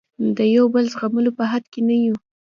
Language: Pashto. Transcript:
د یو بل زغملو په حد کې نه یو.